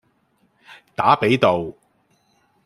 打比道